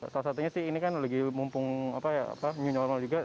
salah satunya sih ini kan mumpung nyunyol mal juga